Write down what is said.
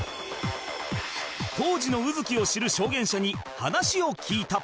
当時の卯月を知る証言者に話を聞いた